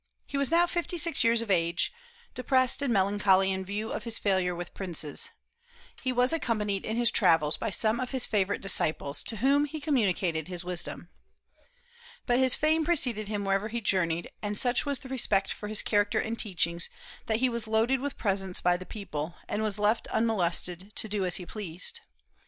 He was now fifty six years of age, depressed and melancholy in view of his failure with princes. He was accompanied in his travels by some of his favorite disciples, to whom he communicated his wisdom. But his fame preceded him wherever he journeyed, and such was the respect for his character and teachings that he was loaded with presents by the people, and was left unmolested to do as he pleased.